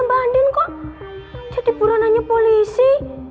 mbak handin kok jadi pura nanya polisi